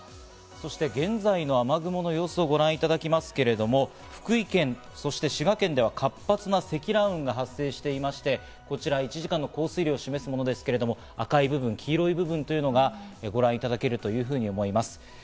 そして現在の雨雲の様子をご覧いただきますけれども、福井県、そして滋賀県では活発な積乱雲が発生していまして、こちら１時間の降水量を示すものですけれども、赤い部分、黄色い部分というものがご覧いただけると思います。